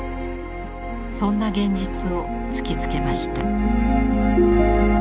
そんな現実を突きつけました。